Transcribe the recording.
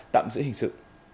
tạm giữ hình sự